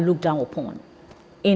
mereka melihat ke depan